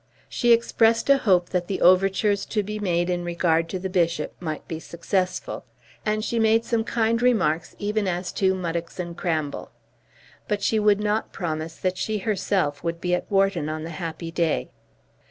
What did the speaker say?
She expressed a hope that the overtures to be made in regard to the bishop might be successful. And she made kind remarks even as to Muddocks and Cramble. But she would not promise that she herself would be at Wharton on the happy day.